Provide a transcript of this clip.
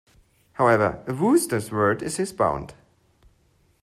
However, a Wooster's word is his bond.